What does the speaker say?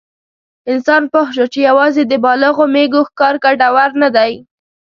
انسان پوه شو چې یواځې د بالغو مېږو ښکار ګټور نه دی.